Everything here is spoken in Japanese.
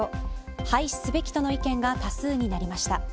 廃止すべきとの意見が多数になりました。